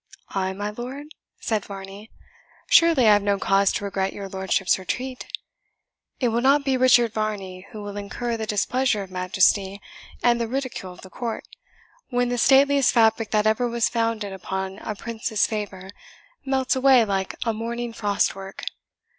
"I, my lord?" said Varney; "surely I have no cause to regret your lordship's retreat! It will not be Richard Varney who will incur the displeasure of majesty, and the ridicule of the court, when the stateliest fabric that ever was founded upon a prince's favour melts away like a morning frost work.